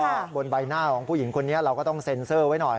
บนใบหน้าของผู้หญิงคนนี้เราก็ต้องเซ็นเซอร์ไว้หน่อย